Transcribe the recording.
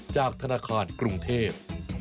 จากธนาคารกรุงเทพ